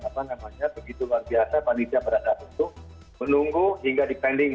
apa namanya begitu luar biasa panitia berada untuk menunggu hingga dipending